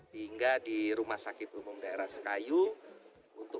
hingga di rumah sakit umum daerah sekayu